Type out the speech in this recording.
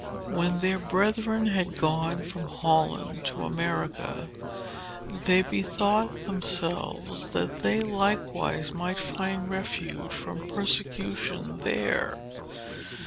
When their brethren had gone from Holland to America, they bethought themselves that they likewise might find refuge from persecution there.